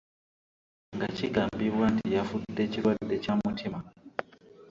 Nga kigambibwa nti yafudde kirwadde kya mutima.